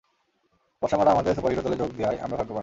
পসামরা আমাদের সুপারহিরো দলে যোগ দেয়ায় আমরা ভাগ্যবান।